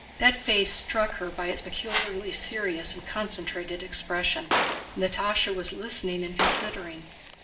That face struck her by its peculiarly serious and concentrated expression. Natásha was listening and considering.